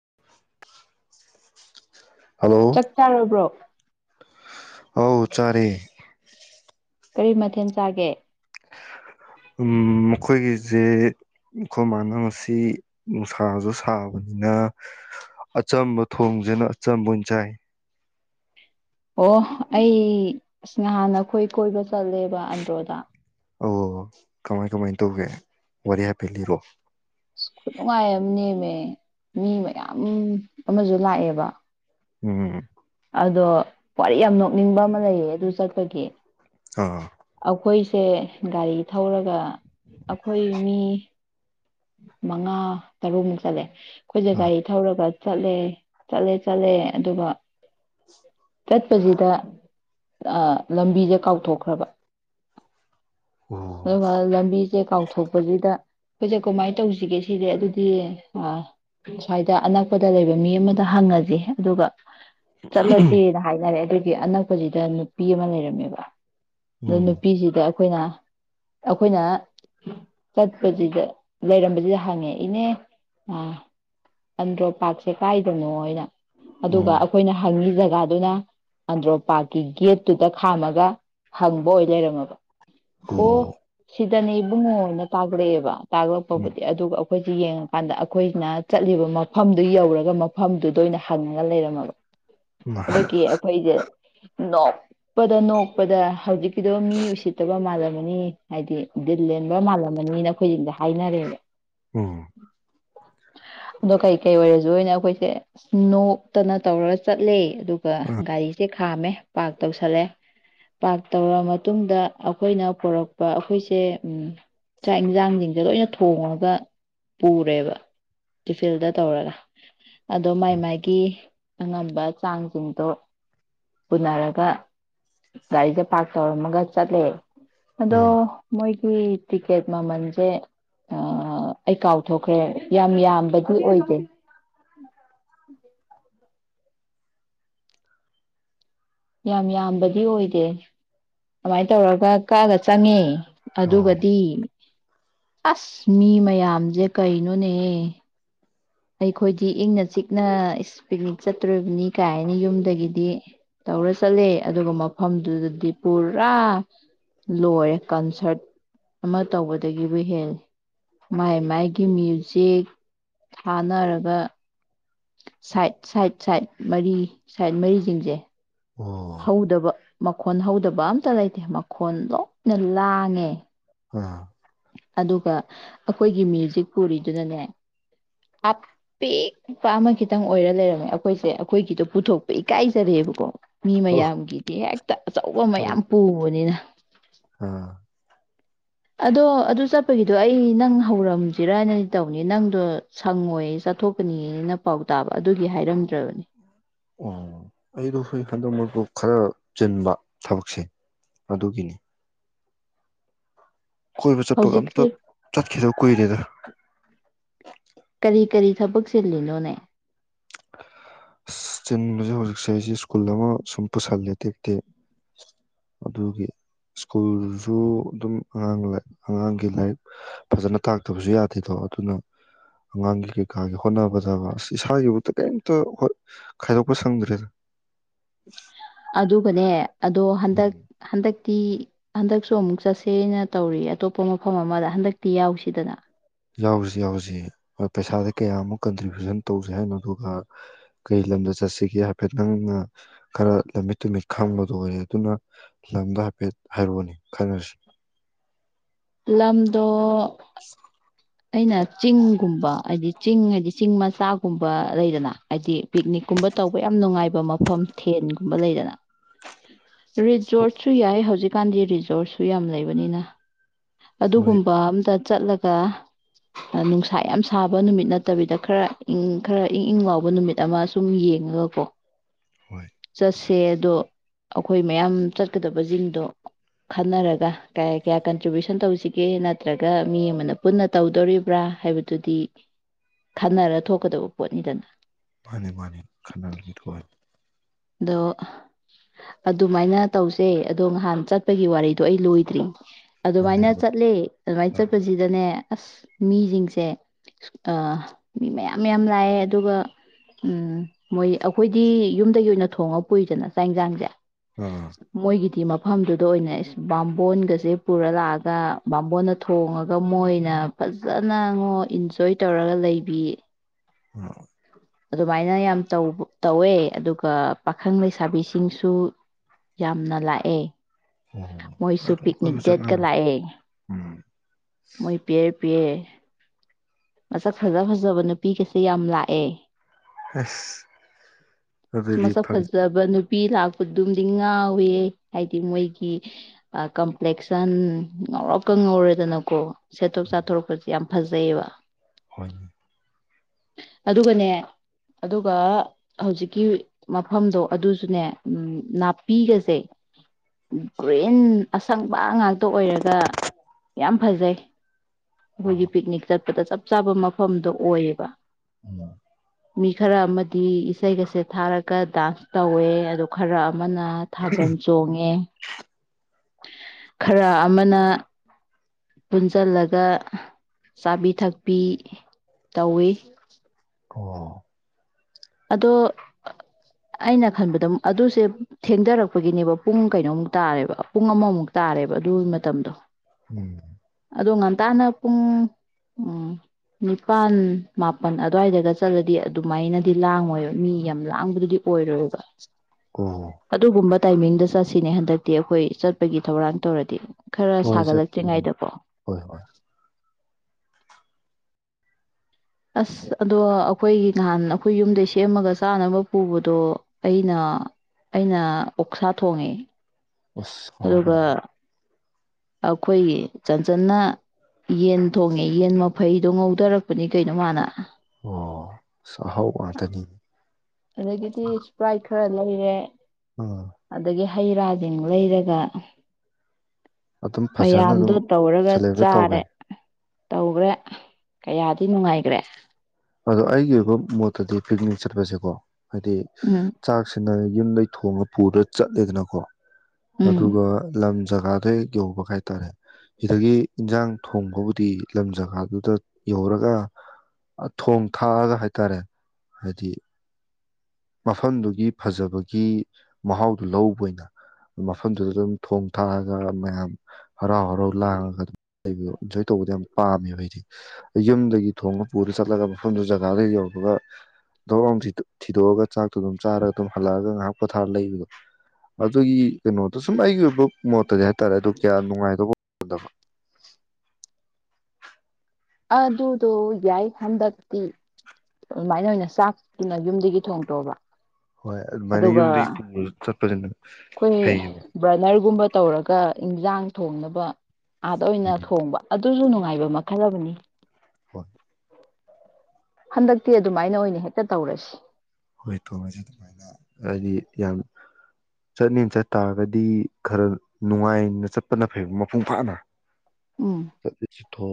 [unintelligible] ꯆꯥꯛ ꯆꯥꯔꯕ꯭ꯔꯣ ꯑ ꯆꯔꯦ ꯀꯔꯤ ꯃꯊꯦꯜ ꯆꯥꯒꯦ ꯎ ꯃꯈꯣꯏꯒꯤꯁꯦ ꯑꯩꯈꯣꯏ ꯃꯥꯅ ꯉꯁꯤ ꯅꯨꯡꯁꯥꯁꯨ ꯁꯥꯕꯅꯤꯅ ꯑꯆꯝꯕ ꯊꯣꯡꯁꯤꯅ ꯑꯆꯝꯕ ꯑꯣꯏꯅ ꯆꯥꯏ ꯑꯣ ꯑꯩ ꯅꯍꯥꯟ ꯅꯈꯣꯏ ꯀꯣꯏꯕ ꯆꯠꯂꯦꯕ ꯑꯟꯗ꯭ꯔꯣꯗ ꯑ ꯀꯃꯥꯏ ꯀꯃꯥꯏꯅ ꯇꯧꯒꯦ ꯋꯥꯔꯤ ꯍꯥꯏꯞꯐꯦꯠ ꯂꯤꯔꯣ ꯑ ꯈꯨꯠꯅꯨꯡꯉꯥꯏ ꯑꯃ ꯅꯦꯝꯃꯦ ꯃꯤ ꯃꯌꯥꯝ ꯑꯃꯁꯨ ꯂꯥꯛꯑꯦꯕ ꯎꯝ ꯑꯗꯣ ꯋꯥꯔꯤ ꯌꯥꯝ ꯅꯣꯛꯅꯤꯡꯕ ꯑꯃ ꯂꯩꯌꯦ ꯑꯗꯨ ꯆꯠꯄꯒꯤ ꯑꯥ ꯑꯈꯣꯏ ꯁꯦ ꯒꯥꯔꯤ ꯊꯧꯔꯒ ꯑꯩꯈꯣꯏ ꯃꯤ ꯃꯉꯥ ꯇꯔꯃꯛꯇꯗ ꯑꯩꯈꯣꯏ ꯖꯒꯥꯔꯤ ꯊꯧꯔꯒ ꯆꯠꯂꯦ ꯆꯠꯂꯦ ꯆꯠꯂꯦ ꯑꯗꯨꯒ ꯆꯠꯄꯁꯤꯗ ꯂꯝꯕꯤꯁꯦ ꯀꯥꯎꯊꯣꯛꯈ꯭ꯔꯕ ꯑꯣ ꯂꯝꯕꯤꯁꯦ ꯀꯥꯎꯊꯣꯛꯄꯁꯤꯗ ꯄꯨꯖ ꯀꯃꯥꯏꯅ ꯇꯧꯁꯤꯒꯦ ꯁꯤꯗꯤ ꯑꯗꯨꯗꯤ ꯁ꯭ꯋꯥꯏꯗ ꯑꯅꯛꯄꯗ ꯂꯩꯕ ꯃꯤ ꯑꯃꯗ ꯍꯪꯉꯁꯤ ꯑꯗꯨꯒ ꯆꯠꯂꯁꯤꯅ ꯍꯥꯏꯅꯔꯦ ꯑꯗꯨ ꯒꯤ ꯑꯅꯛꯄꯁꯤꯗ ꯅꯨꯄꯤ ꯑꯃ ꯂꯩꯔꯝꯃꯦꯕ ꯅꯅ ꯎꯝ ꯄꯤꯤꯁꯗ ꯑꯩꯈꯣꯏꯅ ꯑꯩꯈꯣꯏꯅ ꯆꯠꯄꯁꯤꯗ ꯂꯩꯔꯝꯕꯁꯤꯗ ꯍꯪꯉꯦ ꯏꯅꯦ ꯑ ꯑꯟꯗ꯭ꯔꯣ ꯄꯥꯔꯛꯁꯦ ꯀꯥꯏꯗꯅꯣꯩꯅ ꯑꯗꯨꯒ ꯎꯝ ꯑꯩꯈꯣꯏꯅ ꯍꯪꯉꯤꯗ ꯖꯒꯥꯗꯨꯅ ꯑꯟꯗ꯭ꯔꯣ ꯄꯥꯔꯀꯤ ꯒꯦꯠꯇꯨꯗ ꯈꯥꯝꯃꯒ ꯍꯪꯕ ꯑꯣꯏ ꯂꯩꯔꯝꯃꯕ ꯑꯣ ꯅꯦ ꯏꯕꯨꯡꯉꯣ ꯑꯣꯏꯅ ꯇꯥꯔꯛꯑꯦꯕ ꯎꯝ ꯍꯗꯤ ꯑꯗꯨꯒ ꯑꯩꯈꯣꯏꯁꯤꯦ ꯌꯦꯡꯉꯀꯥꯟꯗ ꯑꯩꯈꯣꯏꯅ ꯆꯠꯂꯤꯕ ꯃꯐꯝꯗꯨ ꯌꯧꯔꯒ ꯃꯐꯝꯗꯨꯗ ꯑꯣꯏꯅ ꯍꯪꯉꯒ ꯂꯩꯔꯝꯃꯕ ꯎꯝ ꯑꯗꯨꯒꯤ ꯑꯩꯈꯣꯏꯁꯦ ꯅꯣꯛꯄꯗ ꯅꯣꯛꯄꯗ ꯍꯧꯖꯤꯛꯀꯤꯗꯣ ꯃꯤ ꯎꯁꯤꯠꯇꯕ ꯃꯥꯜꯂꯝꯃꯅꯤ ꯍꯥꯏꯗꯤ ꯗꯤꯜ ꯂꯦꯟꯕ ꯃꯥꯜꯂꯝꯃꯅꯤꯅ ꯑꯩꯈꯣꯏꯁꯤꯡꯗ ꯍꯥꯏ ꯎꯝ ꯑꯗꯣ ꯀꯩꯀꯩ ꯑꯣꯏꯔꯁꯨ ꯑꯩꯈꯣꯏꯁꯦ ꯅꯣꯛꯇꯅ ꯇꯧꯔꯒ ꯆꯠꯂꯦ ꯑꯗꯨꯒ ꯑ ꯒꯥꯔꯤꯁꯦ ꯈꯥꯝꯃꯦ ꯄꯥꯛ ꯇꯧꯁꯜꯂꯦ ꯄꯥꯛꯔ ꯇꯧꯔ ꯃꯇꯨꯡꯗ ꯑꯩꯈꯣꯏꯅ ꯄꯣꯔꯛꯄ ꯑꯩꯈꯣꯏꯁꯦ ꯆꯥꯛ ꯌꯦꯟꯁꯥꯡꯁꯤꯡꯁꯦ ꯂꯣꯏꯅ ꯊꯣꯡꯉꯒ ꯄꯨꯔꯦꯕ ꯀꯤꯐꯤꯜꯗ ꯇꯧꯔꯒ ꯑꯗꯣ ꯃꯥꯏ ꯃꯥꯏꯒꯤ ꯑꯉꯝꯕ ꯆꯥꯡꯁꯤꯡꯗꯣ ꯎꯅꯔꯒ ꯒꯥꯔꯤꯁꯦ ꯄꯥꯔꯛ ꯇꯧꯔꯝꯃꯒ ꯆꯠꯂꯦ ꯑꯗꯣ ꯎꯝ ꯃꯣꯏ ꯍ ꯇꯤꯀꯦꯠ ꯃꯥ ꯃꯖꯦ ꯑ ꯑꯩ ꯀꯥꯎꯊꯣꯛꯈ꯭ꯔꯦ ꯌꯥꯝ ꯌꯥꯝ ꯤ ꯑꯣꯏꯒ ꯌꯥꯝ ꯌꯥꯝꯕꯗꯤ ꯑꯣꯏꯗꯦ ꯑꯗꯨꯃꯥꯏꯅ ꯇꯧꯔꯒ ꯀꯛꯒ ꯆꯪꯉꯦ ꯑꯣ ꯑꯗꯨꯒꯗꯤ ꯑꯁ ꯃꯤ ꯃꯌꯥꯝꯖꯦ ꯀꯩꯅꯣꯅꯦ ꯑꯩꯈꯣꯏꯗꯤ ꯏꯪꯅ ꯆꯤꯛꯅ ꯄꯤꯛꯅꯤꯛ ꯆꯠꯇꯣꯔꯤꯕꯅꯤ ꯀꯥꯏ ꯍꯥꯏꯅꯤ ꯌꯨꯝꯗꯒꯤꯗꯤ ꯇꯧꯔ ꯆꯠꯂꯦ ꯑꯗꯨꯒ ꯃꯐꯝꯗꯨꯗꯗꯤ ꯄꯨꯔꯥ ꯂꯣꯏꯔꯦ ꯀꯟꯁꯔꯠ ꯑꯃ ꯇꯧꯕꯗꯒꯤꯕꯨ ꯍꯦꯂ ꯃꯥꯏ ꯃꯥꯏꯒꯤ ꯃꯨ ꯎꯆꯦꯛ ꯁꯥꯏꯠ ꯁꯥꯏꯠ ꯁꯥꯏꯠ ꯃꯔꯤ ꯁꯥꯏꯠ ꯃꯔꯤꯁꯤꯡꯁꯦ ꯑꯣ ꯍꯗꯕ ꯃ ꯃꯈꯣ ꯍꯧꯗꯕ ꯑꯝꯇ ꯂꯩꯇꯦ ꯃꯈꯣꯟ ꯂꯣꯏꯅ ꯂꯥꯡꯉꯦ ꯑ ꯑꯗꯨꯒ ꯑꯩꯈꯣꯏꯒꯤ ꯃ꯭ꯌꯨꯖꯤꯛ ꯄꯨꯔꯤꯗꯨꯅꯅꯦ ꯑꯄꯤꯛꯄ ꯑꯃ ꯈꯤꯇꯪ ꯑꯣꯏꯔ ꯂꯩꯔꯝꯃꯦ ꯑꯩꯈꯣꯏꯁꯦ ꯑꯩꯈꯣꯏꯒꯤꯗꯣ ꯄꯨꯊꯣꯛꯄ ꯏꯀꯥꯏꯖꯔꯦꯕꯀꯣ ꯃꯤꯃ ꯑꯣ ꯌꯥꯒꯤꯗꯤ ꯑꯆꯧꯕ ꯍꯣꯏꯅꯦ ꯃꯌꯥꯝ ꯄꯨꯕꯅꯤꯅ ꯑꯥ ꯑꯗꯣ ꯑꯗꯨ ꯆꯠꯄꯒꯤꯗꯣ ꯑꯩ ꯅꯪ ꯍꯧꯔꯝꯁꯤꯔꯅꯗꯤ ꯇꯧꯅꯤ ꯅꯪꯗꯣ ꯁꯪꯉꯣꯏ ꯆꯠꯊꯣꯛꯀꯅꯤꯅ ꯄꯥꯎ ꯇꯥꯕ ꯑꯗꯨꯒꯤ ꯍꯥꯏꯔꯝꯗ꯭ꯔꯕꯅꯦ ꯑꯣ ꯑꯩꯗ ꯁꯣꯏ ꯈꯟꯗ ꯃꯄ ꯈꯔ ꯨꯞ ꯆꯤꯟꯕ ꯊꯕꯛꯁꯦ ꯑꯗꯨꯒꯤꯅꯤ ꯀꯣꯏꯕꯨ ꯆꯠꯄꯒ ꯑꯝꯇ ꯍꯧꯖꯤꯛꯁꯦ ꯆꯠꯈꯤꯗ ꯀꯨꯏꯗꯗ ꯁꯕꯛꯁꯤꯅꯣꯅꯦ ꯆꯤꯟ ꯍꯧꯖꯤꯛ ꯏꯁꯩꯁꯦ ꯁ꯭ꯀꯨꯜ ꯑꯃ ꯁꯨꯝ ꯄꯨꯁꯜꯂꯦ ꯇꯦꯛꯇꯦ ꯑꯗꯨꯒꯤ ꯁ꯭ꯀꯨꯜꯁꯨ ꯑꯗꯨꯝ ꯑꯉꯥꯡ ꯑꯉꯥꯡꯒꯤ ꯂꯥꯏꯔꯤꯛ ꯐꯖꯅ ꯇꯥꯛꯇꯕꯁꯨ ꯌꯥꯗꯦꯗꯣ ꯑꯗꯨꯅ ꯑꯉꯥꯡꯒꯤ ꯀꯩꯀꯥꯒꯤ ꯍꯣꯠꯅ ꯐꯗꯕ ꯑ ꯏꯁꯥꯒꯤꯕꯨ ꯀꯩꯝꯇ ꯈꯥꯏꯗꯣꯛꯄ ꯁꯪꯗ꯭ꯔꯦꯗ ꯑꯗꯨꯒꯅꯦ ꯑꯗꯣ ꯍꯟꯗꯛ ꯎꯝ ꯍꯟꯗꯛ ꯇꯤ ꯍꯟꯗꯛꯁꯨ ꯑꯃꯨꯛ ꯆꯠꯁꯦꯅ ꯇꯧꯔꯤ ꯑꯇꯣꯞꯄ ꯃꯐꯝ ꯑꯃꯗ ꯍꯟꯗꯛꯇꯤ ꯌꯥꯎꯁꯤꯗꯅ ꯌꯥꯎꯖꯤ ꯌꯥꯎꯖꯤ ꯄꯩꯁꯥꯗꯤ ꯀꯌꯥꯃꯨꯛ ꯀꯟꯇ꯭ꯔꯤꯕ꯭ꯌꯨꯁꯟ ꯇꯧꯁꯤ ꯍꯥꯏꯅꯣ ꯑꯗꯨꯒ ꯀꯩ ꯂꯝꯗ ꯆꯠꯁꯤꯒꯦ ꯍꯥꯏꯐꯦꯠꯇꯪ ꯅ ꯈꯔ ꯂꯝꯃꯤꯠ ꯇꯨꯃꯤꯠ ꯈꯪꯕꯗꯣ ꯑꯣꯏꯔꯦ ꯑꯗꯨꯅ ꯂꯝꯗ ꯍꯥꯏꯐꯦꯠ ꯍꯥꯏꯔꯛꯑꯣꯅꯦ ꯈꯟꯅꯔꯁꯤ ꯂꯝꯗꯣ ꯑꯩꯅ ꯆꯤꯡꯒꯨꯝꯕ ꯍꯥꯏꯗꯤ ꯆꯤꯡ ꯍꯥꯏꯗꯤ ꯆꯤꯡ ꯃꯆꯥꯒꯨꯝꯕ ꯂꯩꯗꯅ ꯍꯥꯏꯗꯤ ꯄꯤꯛꯅꯤꯛꯀꯨꯝꯕ ꯇꯧꯕ ꯌꯥꯝ ꯅꯨꯡꯉꯥꯏꯕ ꯃꯐꯝ ꯊꯦꯟ ꯑꯃ ꯂꯩꯗꯅ ꯔꯤꯖꯣꯔꯠꯁꯨ ꯌꯥꯏ ꯍꯧꯖꯤꯛ ꯀꯥꯟꯙꯤ ꯔꯤꯖꯣꯔꯠꯁꯨ ꯌꯥꯝ ꯂꯩꯕꯅꯤꯅ ꯍꯣꯏ ꯑꯗꯨꯒꯨꯝꯕ ꯑꯝꯇ ꯆꯠꯂꯒ ꯑ ꯅꯨꯡꯁꯥ ꯌꯥꯝ ꯁꯥꯕ ꯅꯨꯃꯤꯠ ꯅꯠꯇꯕꯤꯗ ꯈꯔ ꯏꯪ ꯈꯔ ꯏꯪ ꯏꯪ ꯂꯥꯎꯕ ꯅꯨꯃꯤꯠ ꯑꯃ ꯁꯨꯝ ꯌꯦꯡꯉꯒꯀꯣ ꯍꯣꯏ ꯆꯠꯁꯤ ꯄꯦ ꯑꯗꯣ ꯑꯩꯈꯣꯏ ꯃꯌꯥꯝ ꯆꯠꯀꯗꯕꯖꯤꯡꯗꯣ ꯈꯟꯅꯔꯒ ꯀꯌꯥ ꯀꯌꯥ ꯀꯟꯇ꯭ꯔꯤꯕ꯭ꯌꯨꯁꯟ ꯇꯧꯁꯤꯒꯦ ꯅꯠꯇ꯭ꯔꯒ ꯃꯤ ꯑꯃꯅ ꯄꯨꯟꯅ ꯇꯧꯗꯣꯔꯤꯕ꯭ꯔꯥ ꯍꯥꯏꯕꯗꯨꯗꯤ ꯈꯟꯅꯔ ꯊꯣꯛꯀꯗꯕ ꯄꯣꯠꯅꯤꯗꯅ ꯃꯥꯅꯤ ꯃꯥꯅꯤ ꯈꯟꯅꯔꯒꯊꯣꯛꯑꯅꯤ ꯑꯗꯣ ꯑꯗꯨꯃꯥꯏꯅ ꯇꯧꯁꯦ ꯑꯗꯣ ꯉꯍꯥꯟ ꯆꯠꯄꯒꯤ ꯋꯥꯔꯤꯗꯣ ꯑꯩ ꯂꯣꯏꯗ꯭ꯔꯤ ꯑꯗꯨꯃꯥꯏꯅ ꯊꯣꯛꯍꯟꯅꯤ ꯆꯠꯂꯦ ꯑꯗꯨꯃꯥꯏꯅ ꯑꯥ ꯆꯠꯄꯁꯤꯗꯅꯦ ꯑꯁ ꯃꯤꯖꯤꯡꯁꯦ ꯑ ꯃꯤ ꯃꯌꯥꯝ ꯌꯥꯝ ꯂꯥꯛꯑꯦ ꯑꯗꯨꯒ ꯃꯣꯏ ꯑꯩꯈꯣꯏꯗꯤ ꯌꯨꯝꯗꯒꯤ ꯑꯣꯏꯅ ꯊꯣꯡꯉ ꯄꯨꯨꯏꯗꯅ ꯆꯥꯛ ꯌꯦꯟꯁꯥꯡꯁꯦ ꯃꯣꯏꯒꯤꯗꯤ ꯃꯥ- ꯃꯐꯝꯗꯨꯗ ꯑꯣꯏꯅ ꯕꯥꯝꯕꯣꯟꯒꯁꯦ ꯄꯨꯔ ꯂꯥꯛꯑꯒ ꯕꯥꯝꯕꯣꯟꯅ ꯊꯣꯡꯉꯒ ꯃꯣꯏꯅ ꯐꯖꯅ ꯏꯟꯖꯣꯏ ꯇꯧꯔꯒ ꯂꯩꯕꯤ ꯑ ꯑꯗꯨꯃꯥꯏꯅ ꯌꯥꯝ ꯇꯩꯕ ꯇꯧꯋꯦ ꯑꯗꯨꯒ ꯄꯥꯈꯪ ꯂꯩꯁꯥꯕꯤꯁꯤꯡꯁꯨ ꯌꯥꯝꯅ ꯂꯥꯛꯑꯦ ꯑꯣ ꯃꯣꯏꯁꯨ ꯑꯗꯨꯝ ꯄꯤꯛꯅꯤꯛ ꯀꯣꯏꯕ ꯗꯦꯠꯀ ꯆꯠꯅꯕꯅꯤ ꯂꯥꯛꯑꯦ ꯎꯝ ꯃꯣꯏ ꯄꯤꯔ ꯄꯦ ꯃꯁꯛ ꯐꯖ ꯐꯖꯕ ꯅꯨꯄꯤꯒꯁꯦ ꯌꯥꯝ ꯂꯥꯛꯑꯦ ꯑꯁ ꯑꯗꯨꯗꯤ ꯃꯁꯛ ꯐꯪ ꯐꯖꯕ ꯅꯨꯄꯤ ꯂꯥꯛ ꯗꯨꯝꯗꯤ ꯉꯥꯎꯋꯦ ꯍꯥꯏꯗꯤ ꯃꯣꯏꯒꯤ ꯀꯝꯄ꯭ꯂꯦꯛꯁꯟ ꯉꯧꯔꯣꯛꯀ ꯉꯧꯔꯗꯅꯀꯣ ꯁꯦꯠꯊꯣꯛ ꯆꯥꯊꯣꯔꯛꯄꯁꯤ ꯌꯥꯝ ꯐꯖꯩꯕ ꯍꯣꯏꯅꯦ ꯑꯗꯨꯒꯅꯦ ꯑꯗꯨꯒ ꯍꯧꯖꯤꯛꯀꯤ ꯃꯐꯝꯗꯣ ꯑꯗꯨꯁꯨꯅꯦ ꯅꯥꯄꯤꯒꯁꯦ ꯒ꯭ꯔꯤꯟ ꯑꯁꯪꯕ ꯉꯥꯛꯇ ꯑꯣꯏꯔꯒ ꯌꯥꯝ ꯐꯖꯩ ꯕꯣꯏ ꯑꯣ ꯒꯤ ꯄꯤꯛꯅꯤꯛ ꯆꯠ ꯑꯗ ꯆꯞ ꯆꯥꯕ ꯃꯐꯝꯗꯣ ꯑꯣꯏꯌꯦꯕ ꯎꯝ ꯃꯤ ꯈꯔ ꯑꯃꯗꯤ ꯏꯁꯩꯒꯁꯦ ꯊꯥꯔꯒ ꯗꯥꯟꯁ ꯇꯧꯋꯦ ꯑꯗꯨ ꯈꯔ ꯑꯝ ꯑꯃꯅ ꯊꯕꯟ ꯆꯣꯡꯉꯦ ꯈꯔ ꯑꯃꯅ ꯄꯨꯟꯖꯜꯂꯒ ꯆꯥꯕꯤ ꯊꯛ ꯄꯤ ꯇꯧꯋꯤ ꯑꯣ ꯑꯗꯣ ꯑ ꯑꯩꯅ ꯈꯟꯕꯗ ꯑꯗꯨꯁꯦ ꯊꯦꯡꯗꯔꯛꯄꯒꯤꯅꯦꯕ ꯄꯨꯡ ꯀꯩꯅꯣꯃꯨꯛ ꯇꯥꯔꯦꯕ ꯄꯨꯡ ꯑꯃꯃꯨꯛ ꯇꯥꯔꯦꯕ ꯑꯗꯨꯒꯤ ꯃꯇꯝꯗꯣ ꯎꯝ ꯑꯗꯣ ꯉꯟꯇꯥꯅ ꯄꯨꯡ ꯎꯝ ꯅꯤꯄꯥꯟ ꯃꯥꯄꯜ ꯑꯗꯨꯋꯥꯏꯗꯒ ꯆꯠꯂꯗꯤ ꯑꯗꯨꯃꯥꯏꯅ ꯗꯤ ꯂꯥꯡꯉꯣꯏꯕ ꯃꯤ ꯌꯥꯝ ꯂꯥꯡꯕꯗꯨꯗꯤ ꯑꯣꯏꯔꯣꯏꯕ ꯑꯣ ꯑꯗꯨꯒꯨꯝꯕ ꯇꯥꯏꯃꯤꯡꯗ ꯆꯠꯁꯤꯅꯦ ꯍꯟꯗꯛꯇꯤ ꯑꯩꯈꯣꯏ ꯆꯠꯄꯒꯤ ꯊꯧꯔꯥꯡ ꯇꯧꯔꯗꯤ ꯈꯔ ꯍꯣꯏ ꯆꯠ ꯍꯣꯏ ꯁꯥꯒꯠꯂꯛꯇ꯭ꯔꯤꯉꯩꯗꯀꯣ ꯍꯣꯏ ꯑꯁ ꯑꯗꯣ ꯑꯩꯈꯣꯏꯒꯤ ꯅꯍꯥꯟ ꯑꯩꯈꯣꯏ ꯌꯨꯝꯗꯩ ꯁꯦꯝꯃꯒ ꯆꯥꯅꯕ ꯄꯨꯕꯗꯣ ꯑꯩꯅ ꯑꯩꯅ ꯑꯣꯛꯁꯥ ꯊꯣꯡꯉꯦ ꯑꯁ ꯑꯗꯨꯒ ꯍꯧꯔꯅꯤ ꯑꯩꯈꯣꯏꯒꯤ ꯆꯟꯆꯟꯅ ꯌꯦꯟ ꯊꯣꯡꯉꯦ ꯌꯦꯟ ꯃꯐꯩꯗꯣ ꯉꯧꯗꯔꯛꯄꯅꯤ ꯀꯩꯅꯣ ꯃꯥꯅ ꯑꯣ ꯑꯁ ꯑꯍꯥꯎ ꯉꯥꯛꯇꯅꯤ ꯑꯗꯒꯤꯗꯤ ꯏꯁꯄ꯭ꯔꯥꯏ ꯈꯔ ꯂꯩꯔꯦ ꯎꯝ ꯑꯗꯒꯤ ꯍꯩ ꯔꯥꯁꯤꯡ ꯂꯩꯔꯒ ꯎꯝ ꯑꯗꯨꯝ ꯐꯖꯅ ꯃꯌꯥꯝꯗꯨ ꯑꯗꯨꯝ ꯇꯧꯔꯒ ꯁꯦꯂꯦꯕ꯭ꯔꯦꯠ ꯆꯥꯔꯦ ꯇꯧꯒꯦ ꯇꯧꯒ꯭ꯔꯦ ꯀꯌꯥꯗꯤ ꯅꯨꯡꯉꯥꯏꯒ꯭ꯔꯦ ꯑꯗꯣ ꯑꯩꯒꯤ ꯑꯣꯏꯕ ꯃꯣꯠꯇꯗꯤ ꯄꯤꯛꯅꯤꯛ ꯆꯠꯄꯁꯦꯀꯣ ꯍꯥꯏꯗꯤ ꯎꯝ ꯆꯥꯛꯁꯤꯅ ꯌꯨꯝꯗꯩ ꯊꯣꯡꯉꯒ ꯄꯨꯔ ꯆꯠꯂꯦꯗꯅꯀꯣ ꯎꯝ ꯑꯗꯨꯒ ꯂꯝ ꯖꯒꯥꯗ ꯍꯦꯛ ꯌꯧꯕ ꯒ ꯍꯥꯏꯇꯥꯔꯦ ꯁꯤꯗꯒꯤ ꯏꯟꯁꯥꯡ ꯊꯣꯡꯕꯕꯨꯗꯤ ꯂꯝ ꯖꯒꯥꯗꯨꯗ ꯌꯧꯔꯒ ꯑ ꯊꯣꯡ ꯊꯥꯛꯑꯒ ꯍꯥꯏꯇꯥꯔꯦ ꯍꯥꯏꯗꯤ ꯃꯐꯝꯗꯨꯒꯤ ꯐꯖꯕꯒꯤ ꯃꯍꯥꯎꯗꯨ ꯂꯧꯕ ꯑꯣꯏꯅ ꯃꯐꯝꯗꯨꯗ ꯑꯗꯨꯝ ꯊꯣꯡ ꯊꯥꯛꯑꯒ ꯃꯌꯥꯝ ꯍꯔꯥꯎ ꯍꯔꯥꯎ ꯂꯥꯡꯉꯒ ꯑꯗꯨꯝ ꯏꯟꯖꯣꯏ ꯇꯧꯕꯗ ꯌꯥꯝ ꯄꯥꯝꯃꯦꯕ ꯍꯥꯏꯗꯤ ꯌꯨꯝꯗꯒꯤ ꯊꯣꯡꯉ ꯄꯨꯗꯨꯗ ꯆꯠꯂꯒ ꯃꯐꯝꯗꯨ ꯖꯒꯥꯗ ꯌꯧꯕꯒ ꯙꯣꯛ ꯂꯧ ꯊꯤꯗꯣꯛ ꯊꯤꯗꯣꯛꯑꯒ ꯆꯥꯛꯇꯣ ꯑꯗꯨꯝ ꯆꯥꯔꯒ ꯑꯗꯨꯝ ꯍꯜꯂꯛꯑꯒ ꯉꯥꯏꯍꯥꯛ ꯄꯣꯊꯥꯔ ꯂꯩꯕꯗꯣ ꯑꯗꯨꯏ ꯀꯩꯅꯣꯗꯣ ꯁꯨꯝ ꯑꯩꯒꯤ ꯑꯣꯏꯕ ꯃꯣꯠꯇꯗꯤ ꯍꯥꯏ ꯍꯥꯏꯐꯦꯠ ꯇꯂꯦ ꯑꯗꯨ ꯀꯌꯥ ꯅꯨꯡꯉꯥꯏꯗꯧꯕ ꯈꯨꯗ ꯐ ꯑꯗꯨꯗꯣ ꯌꯥꯏ ꯍꯟꯗꯛꯇꯤ ꯑꯗꯨꯃꯥꯏꯅ ꯑꯣꯏꯅ ꯆꯥꯛ ꯑꯗꯨꯅ ꯌꯨꯝꯗꯒꯤ ꯊꯣꯡꯗꯣꯕ ꯑꯗꯨꯒ ꯐꯖ ꯑꯩꯈꯣꯏ ꯕ꯭ꯔꯅꯔꯒꯨꯝꯕ ꯇꯧꯔꯒ ꯏꯟꯖꯥꯡ ꯊꯣꯡꯅꯕ ꯑꯥꯗ ꯑꯣꯏꯅ ꯎꯝ ꯊꯣꯡꯕ ꯑꯗꯨ ꯑꯗꯨꯨꯁꯨ ꯅꯨꯡꯉꯥꯏꯕ ꯃꯈꯜ ꯑꯃꯅꯤ ꯍꯣꯏ ꯍꯟꯗꯛꯇꯤ ꯑꯗꯨꯃꯥꯏꯅ ꯑꯣꯏꯅ ꯍꯦꯛꯇ ꯇꯧꯔꯁꯤ ꯍꯣꯏ ꯇꯣꯡꯉꯁꯦ ꯑꯗꯨꯃꯥꯏꯅ ꯍꯥꯏꯗꯤ ꯌꯥꯝ ꯆꯠꯅꯤꯡ ꯆꯠ ꯇꯥꯔꯒꯗꯤ ꯈꯔ ꯅꯨꯡꯉꯥꯏꯅ ꯆꯠꯄꯅ ꯐꯩꯕ ꯃꯄꯨꯡ ꯐꯥꯅ ꯎꯝ ꯆꯠꯁ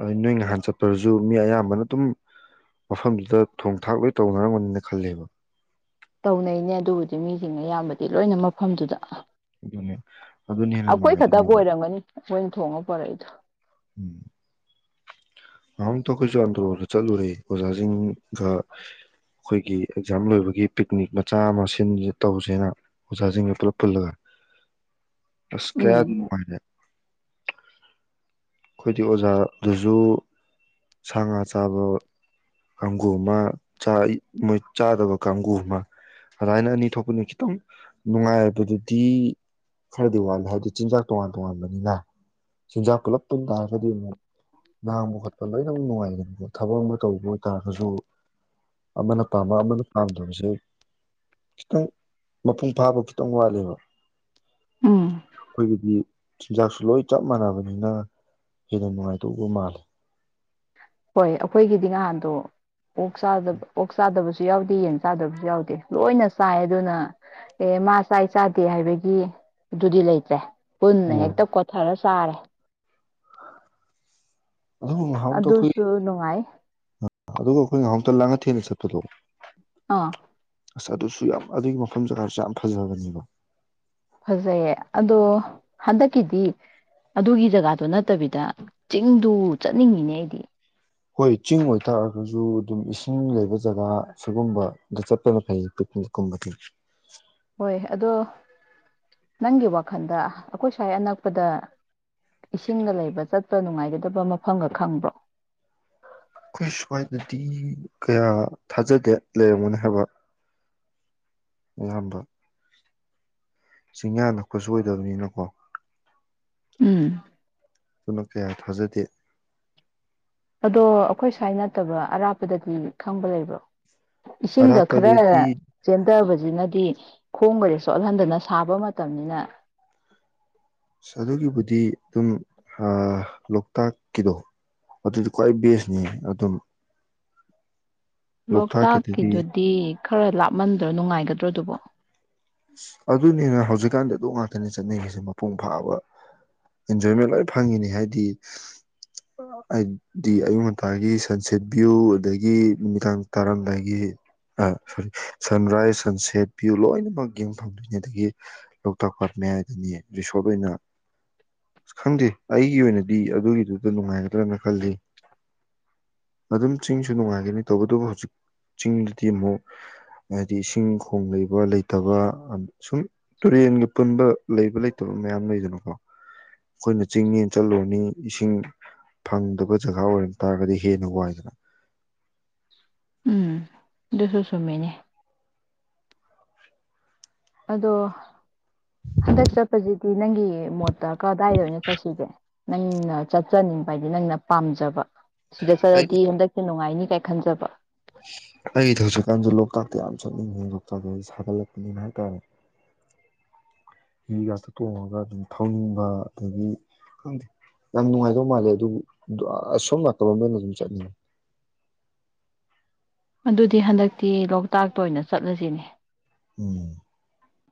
ꯑꯣ ꯅꯣꯏ ꯅꯍꯥꯟ ꯆꯠꯄꯔꯁꯨ ꯃꯤ ꯑꯌꯥꯝꯕꯅ ꯑꯗꯨꯝ ꯃꯐꯝꯗꯨꯗ ꯊꯣꯡ ꯊꯥꯛ ꯂꯣꯏ ꯇꯧꯅꯔꯝꯒꯅꯤꯅ ꯈꯜꯂꯦꯕ ꯇꯧꯅꯩꯅꯦ ꯑꯗꯨꯕꯨꯗꯤ ꯃꯤꯁꯤꯡꯅ ꯑꯌꯥꯝꯕꯗꯤ ꯂꯣꯏꯅ ꯃꯐꯝꯗꯨꯗ ꯑꯗꯨꯅꯦ ꯑꯗꯨꯅ ꯍꯦꯟꯅ ꯑꯩꯈꯣꯏ ꯈꯛꯇꯕꯨ ꯅꯨꯡꯉꯥꯏꯗꯣꯏꯅꯦꯕ ꯑꯣꯏꯔꯝꯒꯅꯤ ꯑꯩꯈꯣꯏꯅ ꯊꯣꯡꯉ ꯄꯨꯣꯔꯛꯏ ꯎꯝ ꯑ ꯇꯈꯣꯏꯁꯨ ꯑꯟꯗ꯭ꯔꯣꯗ ꯆꯠꯂꯨꯔꯦ ꯑꯣꯖꯥꯁꯤꯡꯒ ꯑꯩꯈꯣꯏꯒꯤ ꯑꯦꯛꯖꯥꯝ ꯂꯣꯏꯕꯒꯤ ꯄꯤꯛꯅꯤꯛ ꯃꯆꯥ ꯑꯃ ꯁꯤꯟ ꯇꯧꯁꯦꯅ ꯑꯣꯖꯥꯁꯤꯡꯒ ꯄꯨꯂꯞ ꯄꯨꯜꯂꯒ ꯇꯁ ꯎꯝ ꯀꯌꯥꯗ ꯃꯅꯨꯡꯉꯥꯏꯦ ꯑꯩꯈꯣꯏꯗꯤ ꯑꯣꯖꯥꯗꯨꯁꯨ ꯁꯥ ꯉꯥ ꯆꯥꯕ ꯀꯥꯡꯒꯨ ꯑꯃ ꯃꯣꯏ ꯆꯥꯗꯕ ꯀꯥꯡꯕꯨꯨ ꯑꯃ ꯑꯗꯨꯥꯏꯅ ꯑꯅꯤ ꯊꯣꯛꯄꯅꯤ ꯈꯤꯇꯪ ꯅꯨꯡꯉꯥꯏꯕꯗꯨꯗꯤ ꯈꯔꯗꯤ ꯋꯥꯠꯂꯦ ꯍꯥꯏꯕꯗꯤ ꯆꯤꯟꯖꯥꯛ ꯇꯣꯉꯥꯟ ꯇꯣꯉꯥꯟꯕꯅꯤꯅ ꯆꯤꯟꯖꯥꯛ ꯄꯨꯂꯞ ꯨꯝ ꯇꯥꯔꯒꯗꯤ ꯑꯃꯨꯛ ꯉꯥꯡꯕ ꯈꯣꯠꯄ ꯂꯣꯏꯅꯃꯛ ꯅꯨꯡꯉꯥꯏꯒꯅꯀꯣ ꯊꯕꯛ ꯑꯃ ꯇꯧꯕ ꯑꯣꯏꯇꯥꯥꯔꯒꯁꯨ ꯑꯃꯅ ꯄꯥꯝꯕ ꯑꯃꯅ ꯄꯥꯝꯗꯕꯁꯦ ꯈꯤꯇꯪ ꯃꯄꯨꯡ ꯐꯥꯕ ꯈꯤꯇꯪ ꯋꯥꯠꯂꯦꯕ ꯎꯝ ꯑꯩꯈꯣꯏꯒꯤꯗꯤ ꯆꯤꯟꯖꯥꯛꯁꯨ ꯂꯣꯏ ꯆꯞ ꯃꯥꯟꯅꯕꯅꯤꯅ ꯏꯅꯅꯨꯡꯥꯏ ꯇꯨꯕ ꯃꯥꯂꯦ ꯍꯣꯏ ꯑꯩꯈꯣꯏꯒꯤꯗꯤ ꯅꯍꯥꯟꯗꯣ ꯑꯣꯛ ꯑꯣꯛ ꯆꯥꯗꯕꯁꯨ ꯌꯥꯎꯗꯦ ꯌꯦꯟ ꯆꯥꯗꯕꯁꯨ ꯌꯥꯎꯗꯦ ꯂꯣꯏꯅ ꯆꯥꯏ ꯑꯗꯨꯅ ꯑꯦ ꯃꯥ ꯆꯥꯏ ꯆꯥꯗꯦ ꯍꯥꯏꯕꯒꯤ ꯑꯗꯨꯗꯤ ꯂꯩꯇ꯭ꯔꯦ ꯄꯨꯟꯅ ꯑꯣ ꯍꯦꯛꯇ ꯀꯣꯊꯔꯁꯤ ꯆꯔ ꯑꯗꯨꯒ ꯉꯥꯏꯍꯥꯛꯇ ꯑꯩꯈꯣꯏ ꯑꯗꯨꯁꯨ ꯅꯨꯡꯉꯥꯏ ꯑꯗꯨꯒ ꯑꯩꯈꯣꯏ ꯉꯥꯏꯍꯥꯛ ꯂꯥꯡ ꯉ ꯊꯅ ꯁꯠꯗꯣ ꯑꯥ ꯑ ꯑꯗꯨꯁꯨ ꯌꯥꯝ ꯑꯗꯨꯒꯤ ꯃꯐꯝ ꯖꯒꯥꯁꯨ ꯌꯥꯝ ꯐꯖꯕꯅꯦꯕ ꯐꯖꯑꯦ ꯑꯗꯣ ꯍꯗ ꯀꯗꯤ ꯑꯗꯨꯒꯤ ꯖꯒꯥꯗꯨꯣ ꯅꯠꯇꯕꯤꯗ ꯆꯤꯡꯗꯨ ꯆꯠꯅꯤꯡꯉꯤꯅꯦ ꯑꯩꯗꯤ ꯍꯣꯏ ꯆꯤꯡ ꯑꯣꯏ ꯊꯛꯑꯒꯁꯨ ꯑꯗꯨꯝ ꯏꯁꯤꯡ ꯂꯩꯕ ꯖꯒꯥ ꯁꯤꯒꯨꯝꯕꯗ ꯆꯠꯄꯅ ꯐꯩ ꯄꯤꯛꯅꯤꯛ ꯀꯨꯝꯕꯁ ꯍꯣꯏ ꯑꯗꯣ ꯅꯪꯒꯤ ꯋꯥꯈꯜꯗ ꯑꯩꯈꯣꯏ ꯁ꯭ꯋꯥꯏ ꯑꯅꯛꯄꯗ ꯏꯁꯤꯡꯗ ꯂꯩꯕ ꯆꯠꯄ ꯅꯨꯡꯉꯥꯏꯒꯗꯕ ꯃꯐꯝꯒ ꯈꯪꯕ꯭ꯔꯣ ꯑꯩꯈꯣꯏ ꯁ꯭ꯋꯥꯏꯗꯗꯤ ꯀꯌꯥ ꯊꯥꯖꯗꯦ ꯂꯩꯔꯝꯒꯣꯅꯤ ꯍꯥꯏꯕ ꯑꯌꯥꯝꯕ ꯆꯤꯡꯌꯥ ꯅꯛꯄꯁꯨ ꯑꯣꯏꯗꯕꯅꯤꯅꯀꯣ ꯎꯝ ꯄꯨꯝꯅ ꯀꯌꯥ ꯊꯥꯖꯗꯦ ꯑꯗꯣ ꯑꯩꯈꯣꯏ ꯁ꯭ꯋꯥꯏ ꯅꯠꯇꯕ ꯑꯔꯥꯞꯄꯗꯗꯤ ꯈꯪꯕ ꯂꯩꯕ꯭ꯔꯣ ꯏꯁꯤꯡꯒ ꯈꯔ ꯑꯔꯥꯞꯄꯗꯗꯤ ꯆꯦꯟꯊꯕꯁꯦ ꯁꯤꯅꯗꯤ ꯈꯣꯡꯕꯔꯦ ꯁꯣꯠꯍꯟꯗꯅ ꯁꯥꯕ ꯃꯇꯝꯅꯤꯅ ꯑꯁ ꯑꯗꯨꯒꯤꯕꯨꯗꯤ ꯑꯗꯨꯝ ꯂꯣꯛꯇꯥꯛꯀꯤꯗꯣ ꯑꯗꯨꯗꯤ ꯈ꯭ꯋꯥꯏ ꯕꯦꯁꯅꯤ ꯑꯗꯨꯝ ꯂꯣꯛꯇꯥꯛꯀꯤꯗꯨꯗꯤ ꯈꯔ ꯂꯥꯞꯃꯟꯗ꯭ꯔ ꯅꯨꯡꯉꯥꯏꯒꯗ꯭ꯔꯣꯗꯨꯕꯣ ꯑꯗꯨꯅꯤꯅ ꯍꯧꯖꯤꯛꯀꯥꯟꯗꯤ ꯑꯗꯨꯝ ꯉꯥꯛꯇꯅꯦ ꯆꯠꯅꯤꯡꯉꯤꯁꯦ ꯃꯄꯨꯡ ꯐꯥꯕ ꯑꯦꯟꯖꯣꯏꯃꯦꯟ ꯂꯣꯏ ꯐꯪꯉꯤꯅꯤ ꯍꯥꯏꯗꯤ ꯍꯥꯏꯗꯤ ꯑꯌꯨꯛ ꯉꯟꯇꯥꯒꯤ ꯁꯟꯁꯦꯠ ꯚ꯭ꯌꯨ ꯑꯗꯒꯤ ꯅꯨꯃꯤꯗꯥꯡ ꯇꯥꯔꯥꯝꯗꯥꯏꯒꯤ ꯁꯣꯔꯤ ꯁꯟꯔꯥꯏꯁ ꯁꯟꯁꯦꯠ ꯚ꯭ꯌꯨ ꯂꯣꯏꯅꯃꯛ ꯌꯦꯡꯐꯝꯪꯗꯣꯏꯅꯤ ꯑꯗꯒꯤ ꯂꯣꯛꯇꯥꯛ ꯄꯥꯠ ꯃꯌꯥꯏꯗꯅꯤ ꯔꯤꯁꯣꯔꯠ ꯑꯣꯏꯅ ꯑ ꯈꯪꯗꯦ ꯑꯩꯒꯤ ꯑꯣꯏꯅꯗꯤ ꯑꯗꯨꯒꯤꯗꯨꯗ ꯅꯨꯡꯉꯥꯏꯒꯗ꯭ꯔꯅ ꯈꯜꯂꯤ ꯑꯗꯨꯝ ꯆꯤꯡꯁꯨ ꯅꯨꯡꯉꯥꯏꯒꯅꯤ ꯇꯧꯕꯇꯕꯨ ꯍꯧꯖꯤꯛ ꯆꯤꯡꯗꯗꯤ ꯑꯃꯨꯛ ꯍꯥꯏꯗꯤ ꯏꯁꯤꯡ ꯈꯣꯡ ꯂꯩꯕ ꯇꯕ ꯑ ꯁꯨꯝ ꯇꯨꯔꯦꯟꯒ ꯄꯨꯟꯕ ꯂꯩꯕ ꯂꯩꯇꯕ ꯃꯌꯥꯝ ꯂꯩꯗꯅꯀꯣ ꯑꯈꯣꯏꯅ ꯆꯤꯡ ꯅꯦꯅ ꯆꯠꯂꯨꯔꯅꯤ ꯏꯁꯤꯡ ꯐꯪꯗꯕ ꯖꯒꯥ ꯑꯣꯏꯔꯝ ꯇꯥꯔꯒꯗꯤ ꯍꯦꯟꯅ ꯋꯥꯏꯗꯅ ꯎꯝ ꯗꯨꯁꯨ ꯁꯨꯝꯃꯤꯅꯦ ꯑꯗꯣ ꯍꯟꯗꯛ ꯆꯠꯄꯖꯤꯗꯤ ꯅꯪꯒꯤ ꯃꯣꯠꯇ ꯀꯗꯥꯏꯗ ꯑꯣꯏꯅ ꯆꯠꯁꯤꯒꯦ ꯅꯪꯅ ꯆꯠꯆꯅꯤꯡꯕ ꯍꯥꯏꯗꯤ ꯅꯪꯅ ꯄꯥꯝꯖꯕ ꯁꯤꯗ ꯆꯠꯂꯗꯤ ꯍꯟꯗꯛꯁꯦ ꯅꯨꯡꯉꯥꯏꯅꯤ ꯀꯥꯏ ꯈꯟꯖꯕ ꯑꯩ ꯊꯕꯛ ꯆꯠꯀꯥꯟꯗ ꯂꯣꯛꯇꯥꯛꯇ ꯌꯥꯝ ꯆꯠꯅꯤꯡꯉꯦ ꯃꫭꯏ ꯂꯣꯛꯇꯥꯛꯇꯦ ꯌꯥꯝ ꯁꯥꯒꯠꯂꯛꯄꯅꯤꯅ ꯍꯥꯏꯇꯥꯔꯦ ꯍꯤ ꯉꯥꯛꯇ ꯇꯣꯡꯉꯒ ꯑꯗꯨꯝ ꯊꯥꯎꯅꯤꯡꯕ ꯑꯗꯒꯤ ꯈꯪꯗꯦ ꯌꯥꯝ ꯅꯨꯡꯉꯥꯏꯗꯧ ꯃꯥꯜꯂꯦ ꯑꯗꯨꯒꯤ ꯑ ꯁꯣꯝ ꯉꯥꯛꯇ ꯑꯣꯏꯅ ꯑꯗꯨꯝ ꯆꯠꯅꯤꯡꯉꯦ ꯑꯗꯨꯗꯤ ꯍꯟꯗꯛꯇꯤ ꯂꯣꯛꯇꯥꯛꯇ ꯑꯣꯏꯅ ꯆꯠꯂꯁꯤꯅꯦ ꯎꯝ